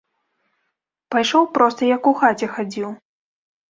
Пайшоў проста, як у хаце хадзіў.